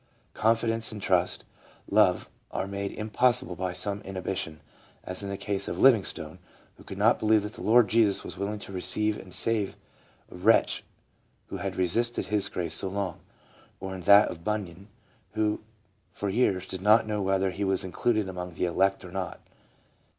Confidence and trust, love, are made impossible by some inhibition, as in the case of Liv ingstone, who could not believe that the Lord Jesus was will ing to receive and save a wretch who had resisted His grace so long ; or in that of Bunyan, who for years did not know whether he was included among the elect or not.